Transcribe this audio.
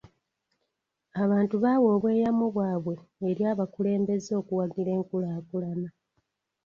Abantu baawa obyeyamo bwabwe eri abakulembeze okuwagira enkulaakulana.